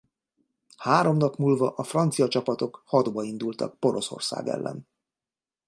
Három nap múlva a francia csapatok hadba indultak Poroszország ellen.